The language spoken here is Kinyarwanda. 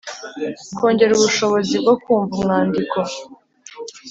kongera ubushobozi bwo kumva umwandiko